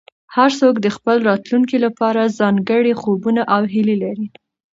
هر څوک د خپل راتلونکي لپاره ځانګړي خوبونه او هیلې لري.